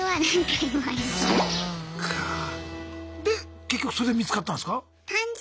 で結局それで見つかったんすか？